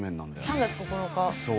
「３月９日」。